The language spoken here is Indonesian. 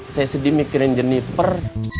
saya sedih mikirin jeniper